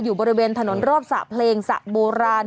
อยู่บริเวณถนนรอบสระเพลงสระโบราณ